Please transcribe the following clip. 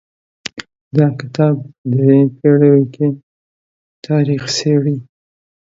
دا کتاب په درې پېړیو کې تاریخ څیړي.